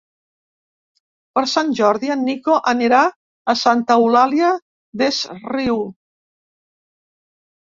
Per Sant Jordi en Nico anirà a Santa Eulària des Riu.